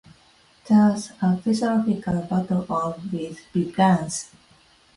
Thus, a philosophical battle of wit begins.